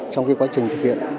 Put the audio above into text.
trong quá trình thực hiện